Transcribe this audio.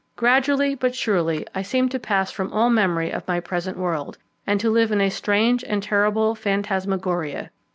Gradually but surely I seemed to pass from all memory of my present world, and to live in a strange and terrible phantasmagoria.